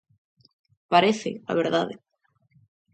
Parece, a verdade.